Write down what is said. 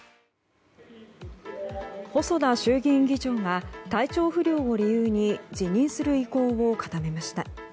細田衆議院議長が体調不良を理由に辞任する意向を固めました。